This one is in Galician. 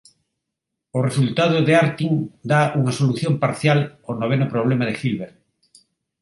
O resultado de Artin dá unha solución parcial ao noveno problema de Hilbert.